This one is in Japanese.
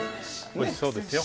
おいしそうですよ。